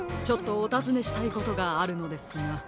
ちょっとおたずねしたいことがあるのですが。